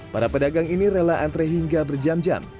para pedagang ini rela antre hingga berjam jam